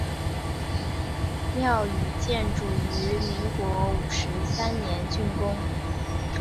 庙宇建筑于民国五十三年竣工。